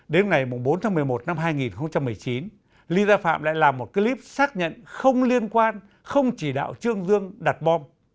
đến ngày bốn tháng một mươi một năm hai nghìn một mươi chín ly gia phạm lại làm một clip xác nhận không liên quan không chỉ đạo trương dương đặt bom